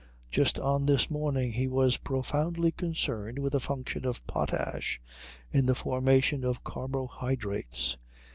Just on this morning he was profoundly concerned with the function of potash in the formation of carbohydrates.